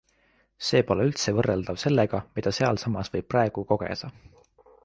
See pole üldse võrraldav sellega, mida sealsamas võib praegu kogeda.